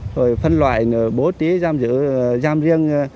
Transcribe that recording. rồi phân loại bố trí giam giữ giam riêng